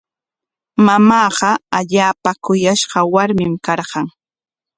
Mamaaqa allaapa kuyashqa warmin karqan.